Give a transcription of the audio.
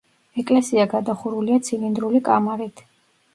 ეკლესია გადახურულია ცილინდრული კამარით.